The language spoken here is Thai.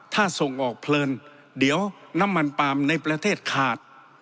ถ้าส่งออกเพลินเดี๋ยวน้ำมันปาล์มในประเทศขาด